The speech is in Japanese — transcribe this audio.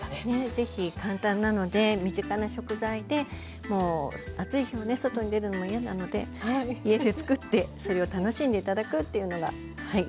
是非簡単なので身近な食材でもう暑い日はね外に出るのも嫌なので家でつくってそれを楽しんで頂くっていうのがはい。